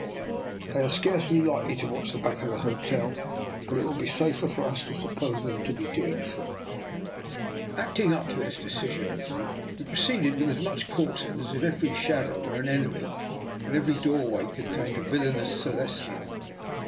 "They are scarcely likely to watch the back of the hotel, but it will be safer for us to suppose them to be doing so." Acting up to this decision, we proceeded with as much caution as if every shadow were an enemy and every doorway contained a vil lainous Celestial.